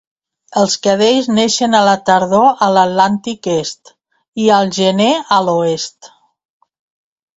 Els cadells neixen a la tardor a l'Atlàntic est i al gener a l'oest.